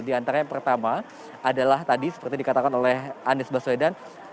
di antara yang pertama adalah tadi seperti dikatakan oleh anies baswedan